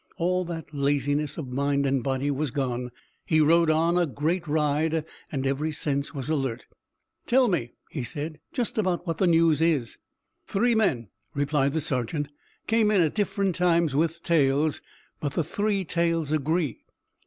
All that laziness of mind and body was gone. He rode on a great ride and every sense was alert. "Tell me," he said, "just about what the news is." "Three men," replied the sergeant, "came in at different times with tales, but the three tales agree.